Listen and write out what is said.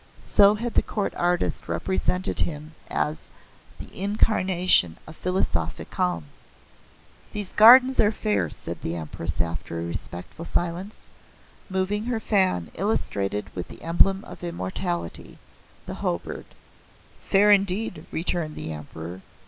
So had the Court Artist represented him as "The Incarnation of Philosophic Calm." "These gardens are fair," said the Empress after a respectful silence, moving her fan illustrated with the emblem of Immortality the Ho Bird. "Fair indeed," returned the Emperor.